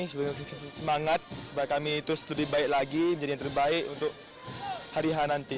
sebagai semangat supaya kami itu lebih baik lagi menjadi yang terbaik untuk hari hari nanti